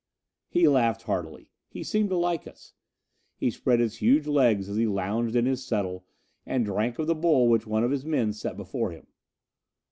He laughed heartily. He seemed to like us. He spread his huge legs as he lounged in his settle, and drank of the bowl which one of his men set before him.